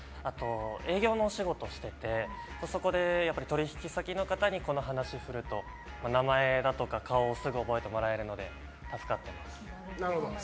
営業のお仕事しててそこで、取引先の方にこの話をすると名前や顔をすぐ覚えてもらえて助かってます。